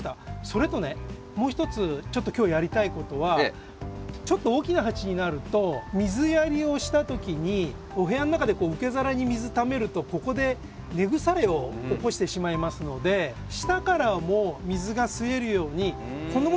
それとねもう一つちょっと今日やりたい事はちょっと大きな鉢になると水やりをした時にお部屋の中で受け皿に水ためるとここで根腐れを起こしてしまいますので下からも水が吸えるようにこんなものをご用意しました。